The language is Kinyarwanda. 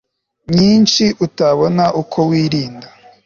nyinshi utabona uko wirinda